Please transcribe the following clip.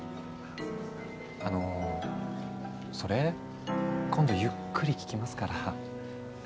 あのそれ今度ゆっくり聞きますから。